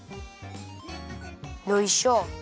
よいしょ。